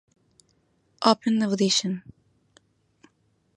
Open Audition.